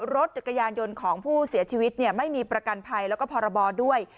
รถจักรยานยนต์ของผู้เสียชีวิตไม่มีประกันภัยแล้วก็พรบด้วย